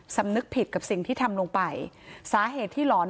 สำนึกผิดกับสิ่งที่ทำลงไปสาเหตุที่หลอน